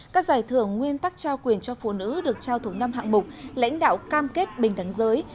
các giải thưởng nguyên tắc trao quyền cho phụ nữ được trao thuộc năm hạng mục lãnh đạo cam kết bình đắm giới